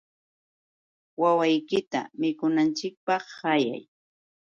Wawiykita mikunanchikpaq ayay.